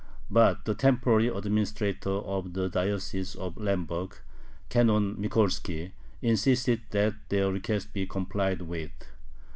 But the temporary administrator of the diocese of Lemberg, Canon Mikolski, insisted that their request be complied with.